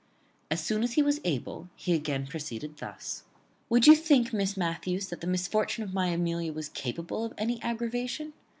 As soon as he was able he again proceeded thus: "Would you think, Miss Matthews, that the misfortune of my Amelia was capable of any aggravation?